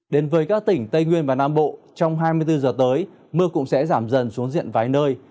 đến với các tỉnh tây nguyên và nam bộ trong hai mươi bốn giờ tới mưa cũng sẽ giảm dần xuống diện vài nơi